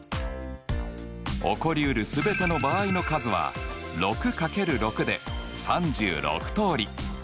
起こりうる全ての場合の数は６掛ける６で３６通り。